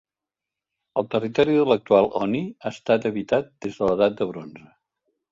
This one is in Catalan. El territori de l'actual Oni ha estat habitat des de l'Edat de Bronze.